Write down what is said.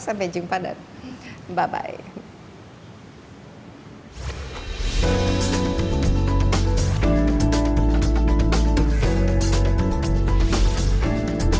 sampai jumpa dan bye bye